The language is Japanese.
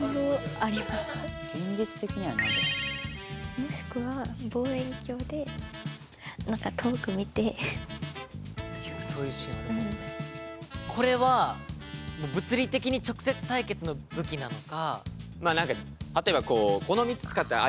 もしくはこれはもう物理的に直接対決の武器なのか？